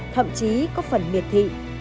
thậm chí có phần miệt thị